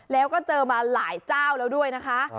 แล้วก็เจอมาหลายเจ้าแล้วด้วยนะคะ